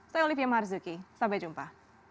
saya olivia marzuki sampai jumpa